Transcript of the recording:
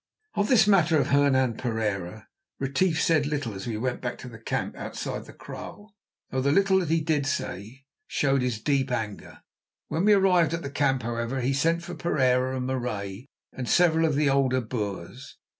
Of this matter of Hernan Pereira, Retief said little as we went back to the camp outside the Kraal, though the little that he did say showed his deep anger. When we arrived at the camp, however, he sent for Pereira and Marais and several of the older Boers.